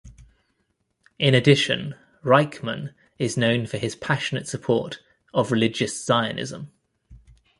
In addition, Reichman is known for his passionate support of Religious Zionism.